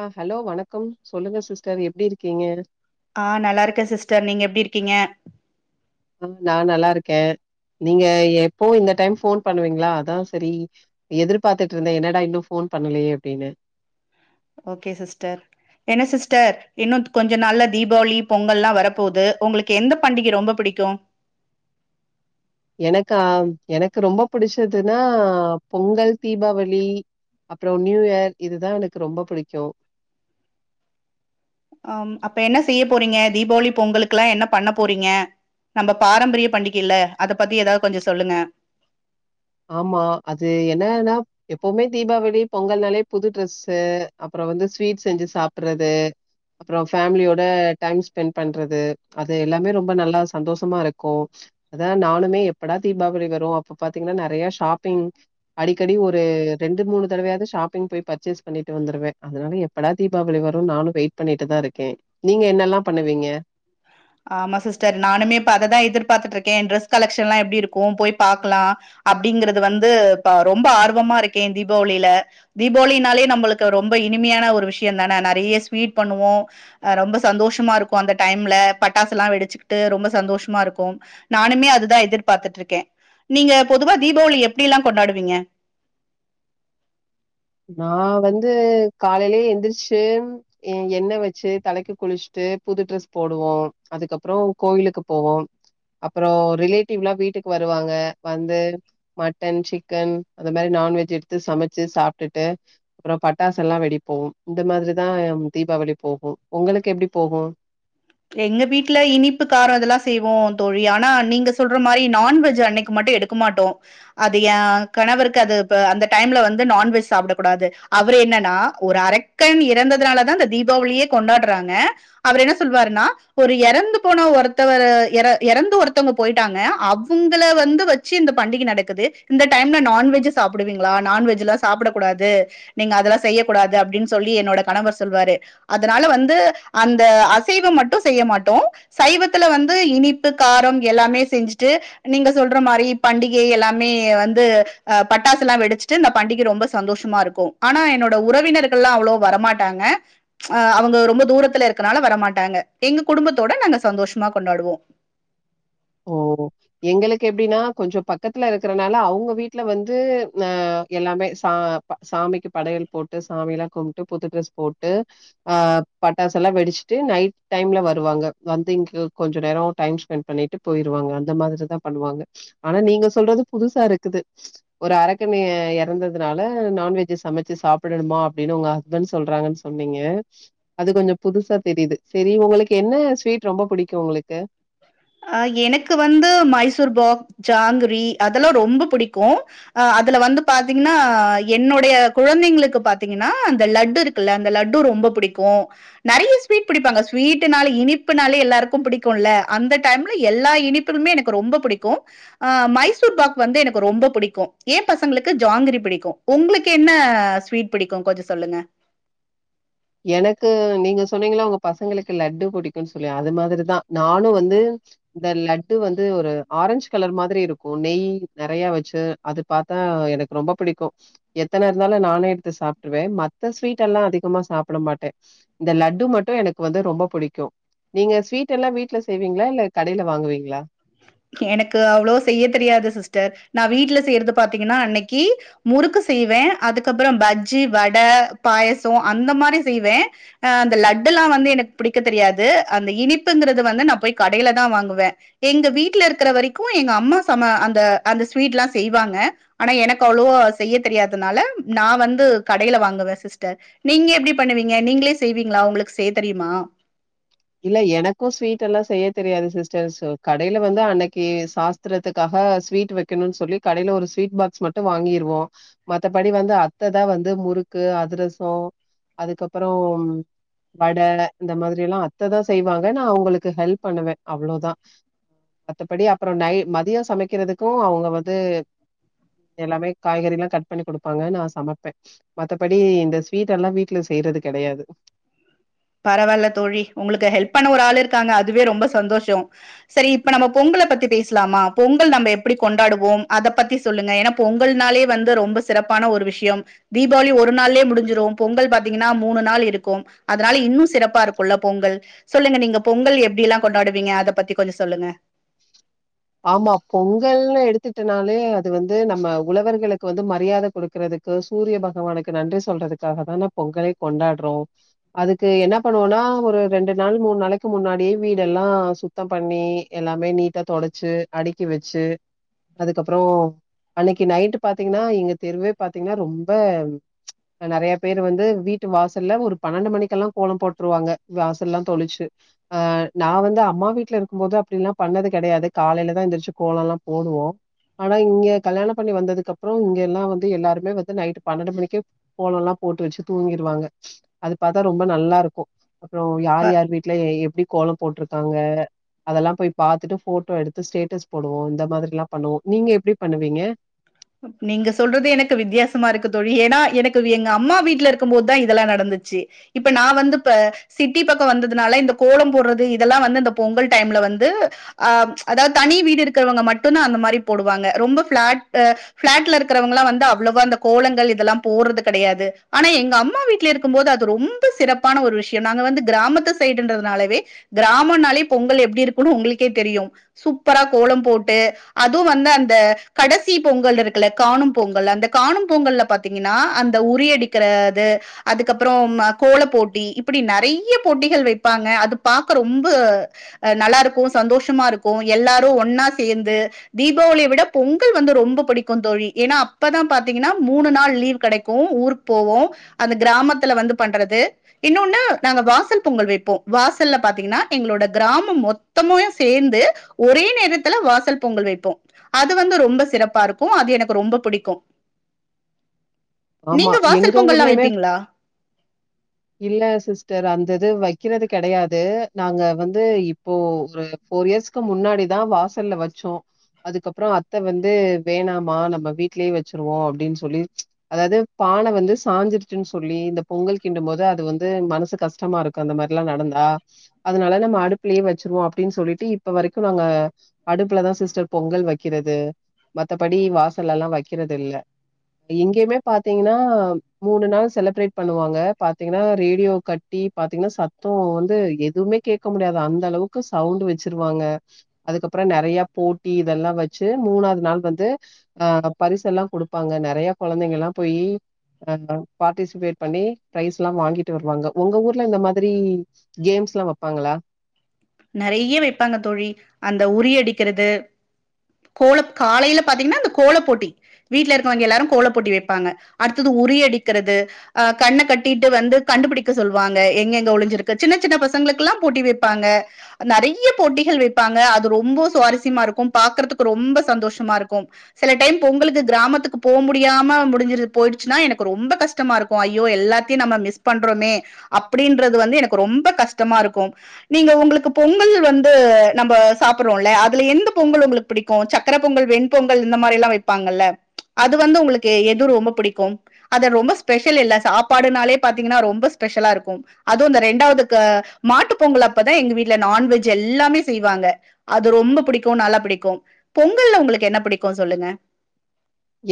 ஆ hello வணக்கம் சொல்லுங்க sister எப்டி இருக்கீங்க ஆ நல்லா இருக்கே சிஸ்டர் நீங்க எப்டி இருக்கீங்க ஆ நா நல்லா இருக்கே நீங்க எப்போ இந்த டைம் ஃபோன் பண்ணுவீங்களா அதா சரி எதிர்பாத்துட்டு இருந்த என்னடா இன்னும் ஃபோன் பண்ணலையே அப்டின்னு ஓகே சிஸ்டர் என்ன சிஸ்டர் இன்னு கொஞ்ச நாள்ள தீபாவளி பொங்கல் எல்லா வரப்போது உங்களுக்கு எந்த பண்டிகை ரொம்ப பிடிக்கு எனக்கா எனக்கு ரொம்ப புடிச்சதுன்னா பொங்கல் தீபாவளி அப்புறோ நியூ இயர் இதுதா எனக்கு ரொம்ப பிடிக்கு ஆ ம் அப்ப என்ன செய்ய போறீங்க தீபாவளி பொங்கலுக்குல்லா என்ன பண்ண போறீங்க நம்ம பாரம்பரிய பண்டிகை இல்ல அத பத்தி ஏதாவது கொஞ்சோ சொல்லுங்க ஆமா அது என்னன்னா எப்பவுமே தீபாவளி பொங்கல்னாலே புது டிரரெஸ்ஸு அப்புறோ வந்து ஸ்வீட் செஞ்சு சாப்புறது அப்புறோ ஃபேமிலியோட டைம் ஸ்பெண்ட் பண்றது அது எல்லாமே ரொம்ப நல்லா சந்தோஷமா இருக்கு அதா நானுமே எப்படா தீபாவளி வரும் அப்ப பாத்தீங்கன்னா நறைய ஷாப்பிங் அடிக்கடி ஒரு ரெண்டு மூணு தடவையாவது ஷாப்பிங் போய் பர்ச்சேஸ் பண்ணிட்டு வந்துருவே அதனால எப்படா தீபாவளி வரு நானு வெயிட் பண்ணிட்டு தா இருக்கே நீங்க என்னெல்லா பண்ணுவீங்க ஆமா சிஸ்டர் நானுமே இப்ப அததா எதிர்பாத்துட்டு இருக்க டிரெஸ் கலெக்ஷன்ல்லாம் எப்டி இருக்கு போய் பாக்கலா அப்டிங்கிறது வந்து இப்ப ரொம்ப ஆர்வமா இருக்கே தீபாவளில தீபாவளினாலே நம்மளுக்கு ரொம்ப இனிமையான ஒரு விஷயோ தான நறைய ஸ்வீட் பண்ணுவோ ஆ ரொம்ப சந்தோஷமா இருக்கு அந்த டைம்ல பட்டாசுல்லா வெடிச்சுக்கிட்டு ரொம்ப சந்தோஷமா இருப்போ நானுமே அதுதா எதிர்பாத்துட்ருக்கே நீங்க பொதுவா தீபாவளி எப்டி எல்லா கொண்டாடுவீங்க நா வந்து காலையிலே எந்திரிச்சு எ எண்ண வச்சு தலைக்கு குளிச்சுட்டு புது ட்ரெஸ் போடுவோ அதுக்கு அப்புறோ கோவிலுக்கு போவோ அப்புறோ‌ ரிலேட்டிவ்ல்லா வீட்டுக்கு வருவாங்க வந்து மட்டன் சிக்கன் அந்த மாரி நான்வெஜ் எடுத்து சமைச்சு சாப்ட்டுட்டு அப்புறோ பட்டாச எல்லா வெடி போ இந்த மாதிரிதா தீபாவளி போகு உங்களுக்கு எப்டி போகு எங்க வீட்ல இனிப்பு காரோ அதெல்லா செய்வோ தோழி ஆனா நீங்க சொல்ற மாரி நான்வெஜ் அன்னைக்கு மட்டு எடு க்க மாட்டோ அது எ கணவருக்கு அது இப்பஅந்த டைம்ல வந்து நான்வெஜ் சாப்டக் கூடாது அவரு என்னன்னா ஒரு அரக் கன் இறந்ததுனால தா அந்த தீபாவளியே கொண்டாடுறாங்க அவர் என்ன சொல்வாரு னா ஒரு எறந்து போன ஒருத்தவரு எற எறந்து ஒருத்தவுங்க போயிட்டாங்க அவுங்க வந்து வச் சு இந்த பண்டிக நடக்குது இந்த டைம்ல நான்வெஜ்ஜு சாப்பிடுவீங்களா நான்வெஜ் எல்லா சாப்டக் கூடாது நீங்க அதல்லா செய்ய கூடாது அப்டின்னு சொல்லி என்னோட கணவர் சொல்லுவாரு அதனால வந்து அந்த அசைவம் மட்டு செய்ய மாட்டோ சைவத்துல வந்து இனிப்பு காரம் எல்லாமே செஞ்சுட்டு நீங்க சொல்ற மாரி பண்டிகை எல்லாமே வந்து அ பட்டாசுல்லா வெடிச்சுட்டு இந்த பண்டிகை ரொம்ப சந்தோஷமா இருக் க்கு ஆனா என்னோட உறவினர்கள்ல்லா அவ்ளோ வரமாட்டாங்க அ அவுங்க ரொம்ப தூரத்துல இருக்கனால வரமாட்டாங்க எங்க குடும்பத்தோட நாங்க சந்தோஷமா கொண்டாடுவோ ஓ எங்களுக்கு எப்டின்னா கொஞ்சோ பக்கத்துல இருக்கறனால அவுங்க வீட்ல வந்து அ எல்லாமே சா சாமிக்கு படையல் போட்டு சாமி எல்லா கும்ட்டு புது ட்ரெஸ் போட்டு ஆ பட்டாசுல்லா வெடிச்சுட்டு நைட் டைம்ல வருவாங்க வந்து இங்க கொஞ்ச நேரோ டைம் ஸ்பெண்ட் பண்ணிட் டு போயிருவாங்க அந்த மாதிரிதா பண்ணுவாங்க ஆனா நீங்க சொல்றது புதுசா இருக்குது ஒரு அரக்கனைய எறந்ததுனால நான்வெஜ் சமைச்சு சாப்பிடணுமா அப்டின்னு உங்க ஹஸ்பண்ட் சொல்றாங்கன்னு சொன்னீங்க அது கொஞ்சம் புதுசா தெரியுது சேரி உங்களுக்கு என்ன ஸ்வீட் ரொம்ப பிடிக்கும் உங்களுக்கு அ எனக்கு வந்து மைசூர்பாக் ஜாங்கிரி அதெல்லாம் ரொம்ப புடிக்கும் அ அதுல வந்து பாத்தீங்ன்னா என்னுடைய குழந்தைங்களுக்கு பாத்தீங்கன்னா இந்த லட்டு இருக்கு க்குல லட்டுஅந்த லட்டு ரொம்ப புடிக்கும் நறைய ஸ்வீட் பிடிப்பாங்க ஸ்வீடனாலே இனிப்புனாலே எல்லாருக்கும் பிடிக்கொம்ல அந்த டைம்ல எல்லா இனிப்புலமே எனக்கு ரொம்ப புடிக்கும் ஆ மைசூர் பாக் வந்து எனக்கு ரொம்ப புடிக்கும் ஏன் பசங்களுக்கு ஜாங்கிரி புடிக்கும் உங்ளுக்கு என்ன ஸ்வீட் பிடிக்கும் கொஞ்சம் சொல்லுங்க எனக்கு நீங்க சொன்னீங்கல உங்க பசங்களுக்கு லட்டு புடிக்கும்ன்னு சொல்லி அது மாதிரிதான் நானு வந்து இந்த லட்டு வந்து ஒரு ஆரஞ்ச் கலர் மாதிரி இருக்கும் நெய் நறையா வச்சு அது பாத்தா எனக்கு ரொம்ப புடிக்கும் எத்தன இருந்தாலும் நானும் எடுத்து சாப்ட்டுருவேன் மத்த ஸ்வீட் எல்லாம் அதிகமா சாப்ப ப்படமாட்டன் இந்த லட்டு மட்டும் எனக்கு வந்து ரொம்ப புடிக்கும் நீங்க ஸ்வீட் எல்லாம் வீட்ல செய்வீங்களா இல்ல கடையில வாங்குவீங்களா எனக்கு அவ்வளோ செய்ய தெரியாது சிஸ்டர் நான் வீட்டல செய்யறது பாத்தீங்கன்னா அன்னைக்கு முறுக்கு செய்வேன் அதுக்கு அப்பறோம் பஜ்ஜி வட பாயசோம் அந்த மாரி செய்வேன் அ அந்த லட்டு எல்லாம் வந்து எனக்கு புடிக்க தெரியாது அந்த இனிப்புங்கிறது வந்து நான் போய் கடையில தான் வாங்குவேன் எங்க வீட்டு்ல இருக்கிற வரைக்கும் எங்க அம்மா சம அந்த அந்த ஸ்வீட் எல்லாம் செய்வாங்க ஆனா எனக்கு அவ்ளோவோ செய்ய தெரியாதனால நான் வந்து கடையில வாங்குவேன் சிஸ்டர் நீங்க எப்டி பண்ணுவீங்க நீங்களே செய்வீங்களா உங்ளுக்கு செய்ய தெரியுமா இல்ல எனக்கும் ஸ்வீட்யெல்லா செய்ய தெரியாது சிஸ்டர் சோ கடையில வந்து அன்னைக்கு சா த்துறதுக்காக ஸ்வீட் வெக்கணுனு சொல்லி கடயில ஒரு ஸ்வீட் பாக்ஸ் மட்டும் வாங்கிருவோம் மத்தபடி வந்து அத்த தான் வந்து முறுக்கு, அதிரசோம் அதுக்கப்புறோம் வட இந்த மாதிரில்லாம அத்த தான் செய்வாங்க நா அவுங்களுக்கு ஹெல்ப் பண்ணுவேன் அவ்ளோவுதான் மத்தபடி அப்புறோம் நை மதியோம் சமைக்கிறதுக்கோம் அவுங்க வந்து எல்லாமே காய்கறில்லாம் கட் பண்ணி குடுப்பாங்க நா சமைப்பேன் மத்தபடி இந்த ஸ்வீட் எல்லாம் வீட்ல செய்றது கெடயாது பரவாயில்ல தோழி உங்களுக்கு ஹெல்ப் பண்ண ஒரு ஆள் இருக்காங்க அதுவே ரொம்ப சந்தோஷோம் சரி இப்ப நம்ம பொங்கல பத்தி பேசலாமா பொங்கல் நம்ப எப்டி கொண்டாடுவோம் அத பத்தி சொல்லுங்க ஏன்னா பொங்கல்னாலே வந்து ரொம்ப சிறப்பான ஒரு விஷயோம் தீபாவளி ஒரு நாளே முடிஞ்சிரும் பொங்கல் பாத்தீங்கன்னா மூணு நாள் இருக்கும் அது அதனால இன்னு சிறப்பா இருக்குல்ல பொங்கல் சொல்லுங்க நீங்க பொங்கல் எப்டிலாம் கொண்டாடுவீங்க அத பத்தி கொஞ்சோ சொல்லுங்க ஆமா பொங்கல்னு எடுத்துட்டனாலே அது வந்து நம்ப உழவர்களுக்கு வந்து மரியாத கொடுக்குறதுக் சூரிய பகவானுக்கு நன்றி சொல்றதுக்காக தான பொங்கலே கொண்டாடுறோம் அதுக்கு என்ன பண்ணுவோனா ஒரு ரெண்டு நாள் மூணு நாளைக்கு முன்னாடியே வீடெல்லா சுத் தோம் பண்ணி எல்லாமே நீட்டா தொடச்சு அடுக்கி வெச்சு அதுக்கப்புறோம் அன்னைக்கு நைட்டு பாத்தீங்கன்னா இங்க தெருவே பாத்தீங்கன்னா ரொம்ப நறையா பேர் வந்து வீட்டு வாசல்ல ஒரு பன்னெண்டு மணிக்கெல்லா கோலோம் போட்டுருவாங்க வாசல்லல்லாம் தொளிச்சு ஆ நா வந்து அம்மா வீட்ல இருக்கும்மோது அப்டில்லா பண்ணது கெடயாது காலைலதான் எந்திரிச்சு கோலோம்லா போடுவோம் ஆனா இங்க கல்யாண பண்ணி வந்ததுக்கு அப்புறோம் இங்க எல்லா வந்து எல்லாருமே வந்து நைட்டு பன்னெண்டு மணிக்கே கோலோல்லாம் போட்டு வெச்சு தூங்கிருவாங்க அது பாத்தா ரொம்ப நல்லாருக்கோம் அப்புறோம் யார் யார் வீட்ல எப்படி கோலோம் போட்டுருக்காங்க அதெல்லா போய் பாத்துட்டு போட் ட்டோ எடுத்து ஸ்டேட்டஸ் போடுவோம் இந்த மாதிரில்லாம் பண்ணுவோ நீங்க எப்டி பண்ணுவீங்க நீங்க சொல்றது எனக்கு வித்தியாசமா இருக்கு தோழி ஏன்னா எனக்கு எங்க அம்மா வீட்ல இருக்கும் மோது தான் இதெல்லாம் நடந்துச்சு இப்ப நா வந்துப்ப சிட்டி பக்கோ வந்ததுனால இந்த கோலோ போடுறது இதெல்லா வந்து அந்த பொங்கல் டைம்ல வந்து அ அதாவ்து தனி வீடு இருக்கிறவங்க மட்டுதா அந்த மாரி போடுவாங்க ரொம்ப ஃபிளாட்டு பிளாட்ல இருக்கிறவங்கலா வந்து அவ்ளவா அந்த கோளங்கள் இதெல்லா போடுறது கிடையாது ஆனா எங்க அம்மா வீட்ல இருக்கும்போது அது ரொம் டு சிறப்பான ஒரு விஷயோ நாங்க வந்து கிராமத்து சைடுன்றதுனாலவே கிராமொனாலே பொங்கல் எப்டி இருக்குன்னு உங்களுக்கே தெரியு சூப்பரா கோலோ போட்டு அதுவு வந்து அந்த கடசி சி பொங்கல் இருக்குல காணு பொங்கல் அந்த காணு பொங்கல்ல பாத்தீங்கன்னா அந்த உறி அடிக்கிறது அதுக்கப்புறோம் கோல போட்டி இப்டி நிறைய போட்டிகள் வைப்பாங்க அது பாக்க ரொம்ப நல்லாருக்கு சந்தோஷமாருக்கு எல்லாரு ஒன்னா சேந்து தீபாவளிய விட பொங் கல் வந்து ரொம்ப பிடிக்கு தோழி ஏன்னா அப்பதா பாத்தீங்கன்னா மூணு நாள் லீவ் கிடைக்கு ஊருக்கு போவோ அது கிராமத்துல வந்து பண்றது இன்னொன்னு நாங்க வாசல் பொங்கல் வைப்போ வாசல்ல பாத்தீங்கன்னா எங்களோட கிராமம் மொத்தமுமே சேந்து ஒரே நேரத்துல வாசல் பொங்கல் வைப்போ அது வந்து ரொம் ரொம்ப சிறப்பா இருக்கு அது எனக்கு ரொம்ப பிடிக்கு ஆமா. நீங்க வாசல் எங்க பொங்கல்லா ஊர்லயுமே வப்பீங்களா இல்ல சிஸ்டர் அந்த இது வைக்கிறது கிடையாது நாங்க வந்து இப்போ ஒரு ஃபோர் இயர்ஸ்க்கு முன்னாடிதா வாசல்ல வச்சோ அதுக்கப்புறோ அத்த வந்து வேணாமா நம்ம வீட்லயே வச்சிருவோ அப்டின்னு சொல்லி அதாவ்து பான வந்து சாஞ்சிருச்சுன்னு சொல்லி இந்த பொங்கல் கிண்டு போது அது வந்து மனசு கஷ்டமா இருக் அந்த மார்ல்லா நடந்தா அதனால நம்ம அடுப்பிலயு வச்சுருவோ அப்டின்னு சொல்லிட்டு இப்ப வரைக்கு நாங்க அடுப்புலதா சிஸ்டர் பொங்கல் வைக்கிறது மத்தபடி வாசல்லல்லா வைக்கிறது இல்ல இங்கேயுமே பாத்தீங்கன்னா மூணு நாள் செலிப்ரேட் பண்ணுவாங்க பாத்தீங்கன்னா ரேடியோ கட் டி பாத்தீங்கன்னா சத்தோ வந்து எதுவுமே கேக்க முடியாதா அந்த அளவுக்கு சவுண்ட் வச்சிருவாங்க அதுக்கப்பறோ நெறைய போட்டி இதெல்லா வச்சு மூணாது நாள் வந்து ஆஹ் பரிசெல்லா குடுப்பாங்க நெறைய குழந்தைங்கெல்லா போயி அஹ் பார்ட்டிசிபேட் பண்ணி பிரைஸ் எல்லா வாங்கிட்டு வருவாங்க உங்க ஊர்ல இந்த மாதிரி கேம்ஸ்லா வப்பாங்களா நெறைய வைப்பாங்க தோழி அந்த உறி அடிக்கிறது கோல காலையில பாத்தீங்கன்னா அந்த கோல போட்டி வீட்ல இருக்கவங்க எல்லாரு கோல போட்டி வைப்பாங்க அடுத்தது உறி அடிக்கிறது அஹ் கண்ண கட்டிட்டு வந்து கண்டுபுடிக்க சொல்லுவாங்க எங்க எங்க ஒழிஞ்சிருக்கு சின்ன சின்ன பசங்களுக்குல்லா போட்டி வைப்பாங்க நெறைய போட்டிகள் வைப்பாங்க அது ரொம்ப சுவாரஸ்யமா இருக்கு பாக்குறதுக்கு ரொம்ப சந்தோஷமா இருக்கு சில டைம் பொங்களுக்கு கிராமத்துக்கு போ முடியாம முடிஞ்ச போயிடுச்சுன்னா எனக்கு ரொம்ப கஷ் கஷ்டமா இருக்கு ஐயோ எல்லாத்தையும நம்ம மிஸ் பண்றோமே அப்டின்றது வந்து எனக்கு ரொம்ப கஷ்டமா இருக்கு நீங்க உங்களுக்கு பொங்கல் வந்து நம்ம சாப்பிடுறோல்ல அதுல எந்த பொங்கல் உங்களுக்கு புடிக்கு சக் சக்கர பொங்கல் வெண்பொங்கல் இந்த மாறில்லா வைப்பாங்கல்ல அது வந்து உங்களுக்கு எது ரொம்ப புடிக்கும் அது ரொம்ப ஸ்பெஷல் இல்ல சாப்பாடுனாலே பாத்தீங்கன்னா ரொம்ப ஸ்பெஷலா இருக்கு அதுவு இந்த ரெண்டாவதுக்கு மாட்டு பொங்கல் அப்பதா எங்க வீட் இல்ல நான்வெஜ் எல்லாமே செய்வாங்க அது ரொம்ப புடிக்கு நல்லா புடிக்கு பொங்கல்ல உங்களுக்கு என்ன புடிக்கு சொல்லுங்க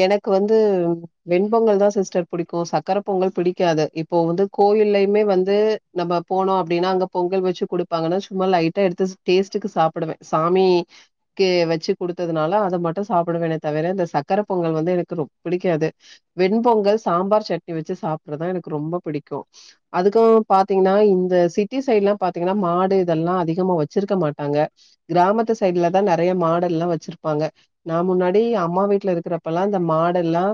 எனக்கு வந்து வெண்பொங்கல் தா சிஸ்டர் புடிக்கு சக்கர பொங்கல் பிடிக்காது இப்போ வந்து கோவில்லயுமே வந்து நம்ம போனோ அப்டின்னா அங்க பொங்கல் வச்சு குடுப்பாங்கன்னா சும்மா லைட்டா எடுத்து டேஸ்டுக்கு சாப்டுவே சாமி க்கு வச்சு கொடுத்ததுனால அத மட்டு சாப்டுவேனே தவிர இந்த சக் சக்கர பொங்கல் வந்து எனக்கு ரொ பிடிக்காது வெண்பொங்கல் சாம்பார் சட்னி வச்சு சாப்றதா எனக்கு ரொம்ப பிடிக்கு அதுக்கு பாத்தீங்கனா இந்த சிட்டி சைடு எல்லா பாத்தீங்கன்னா மாடு இதெல்லா அதிகமா வச்சிருக்க மாட்டாங்க கிராமத்து சைடுலதா நெறைய மாடெல்லா வச்சிருப்பாங்க நா முன்னாடி அம்மா வீட்ல இருக் க்கிறப்பெல்லா இந்த மாடெல்லா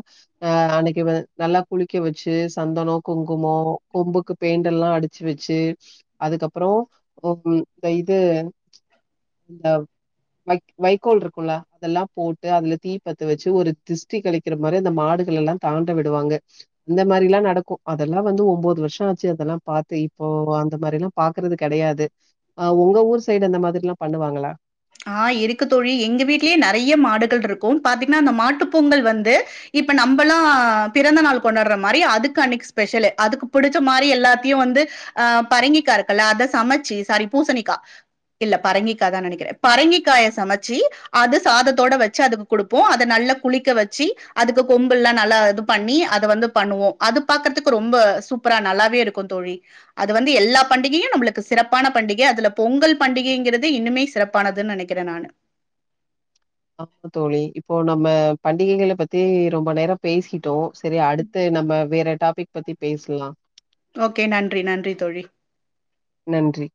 அ அன்னைக்கு நல்லா குளிக்க வச்சு சந்தன குங்குமோ கொம்புக்கு பெயிண்டெல்லா அடுச்சு வச்சு அதுக்கப்பற ஒ ம் இந்த இது இந்த வைக் வைக்கோல் இருக்குல அதெல்லா போட்டு அதுல தீ பத்த வச் சு ஒரு திஷ்டி கழிக்கிற மாரி அந்த மாடுகள எல்லா தாண்ட விடுவாங்க இந்த மாரிலா நடக்கு அதெல்லா வந்து ஒம்போது வருஷ ஆச்சு அதெல்லா பாத்து இப்போ அந்த மாரிலா பாக்குறது கெடையாது ஆ உங்க ஊர் சைடு அந்த மாதிரிலா பண்ணுவாங்களா ஆ இருக்கு தோழி எங்க வீட்லேயே நெறைய மாடுகள் இருக்கு பாத்தீங்கன்னா அந்த மாட்டு பொங்கல் வந்து இப்ப நம்பல்லா பிறந்த நாள் கொண்டாடுற மாரி அதுக்கு அன்னைக்கு ஸ்பெஷலு அதுக்கு புடிச்ச மாரி எல்லாத்தையு வந்து ஆ பரங்கிக்கா இருக்குல்ல அத சமச்சு சாரி பூசணிக்கா இல்ல பரங்கிக்காதா நெனைக்கிறே பரங்கிக்காய சமச்சு அத சாதத்தோட வச்சு அதுக்கு குடுப்போ அத நல்லா குளிக்க வச்சு அதுக்கு கொம்பு எல்லா நல்லா இது பண்ணி அத வந்து பண்ணுவோ அது பாக்குறதுக்கு ரொம்ப சூப்பரா நல்லாவே இருக்கு தோழி அது வந்து எல்லா பண்டிகையு நம்மளுக்கு சிறப்பான பண்டிகை அதுல பொங்கல் பண்டிகைங்கிறது இன்னுமே சிறப் ப்பானது நெனைக்கிறே நானு அப்ப தோழி இப்போ நம்ப பண்டிகைகளை பத்தி ரொம்ப நேர பேசிட்டோ சேரி அடுத்து நம்ம வேற டாபிக் பத்தி பேசலா ஓகே நன்றி நன்றி தோழி நன்றி